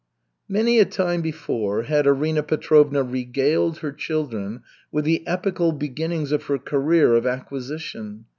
Many a time before had Arina Petrovna regaled her children with the epical beginnings of her career of acquisition.